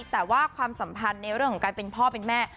แต่ว่าความสัมพันธ์ในเรื่องของการเป็นพ่อเป็นแม่